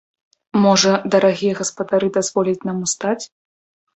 Можа, дарагія гаспадары дазволяць нам устаць?